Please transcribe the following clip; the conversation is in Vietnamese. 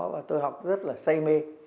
và tôi học rất là say mê